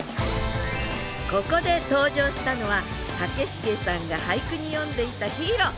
ここで登場したのは武重さんが俳句に詠んでいたヒーロー。